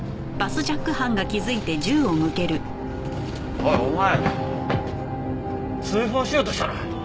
おいお前通報しようとしたな？